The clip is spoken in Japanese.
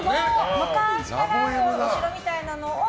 昔からのお城みたいなのを。